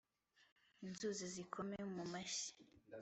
inzuzi nizikome mu mashyi